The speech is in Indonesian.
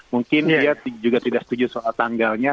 mungkin dia juga tidak setuju soal tanggalnya